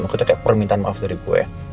maksudnya kayak permintaan maaf dari gue